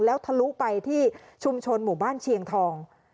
แล้วทะลุไปที่ชุมชนหมู่บ้านเชียงทอง